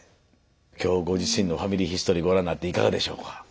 今日ご自身の「ファミリーヒストリー」ご覧になっていかがでしょうか？